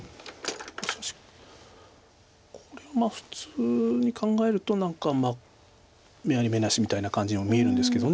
これ普通に考えると何か眼あり眼なしみたいな感じにも見えるんですけど。